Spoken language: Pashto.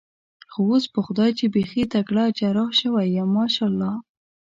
خو اوس په خدای چې بېخي تکړه جراح شوی یم، ماشاءالله.